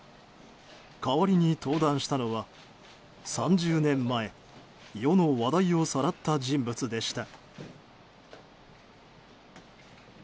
代わりに登壇したのは３０年前世の話題をさらった人物でした。